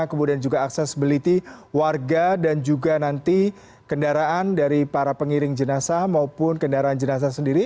kemudian juga accessibility warga dan juga nanti kendaraan dari para pengiring jenazah maupun kendaraan jenazah sendiri